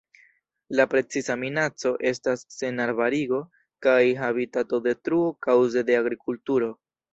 La precipa minaco estas senarbarigo kaj habitatodetruo kaŭze de agrikulturo.